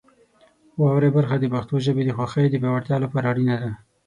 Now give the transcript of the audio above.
واورئ برخه د پښتو ژبې د خوښۍ د پیاوړتیا لپاره اړینه ده.